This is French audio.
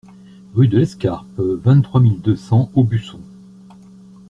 Rue de l'Escarpe, vingt-trois mille deux cents Aubusson